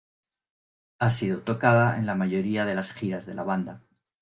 Ha sido tocada en la mayoría de las giras de la banda.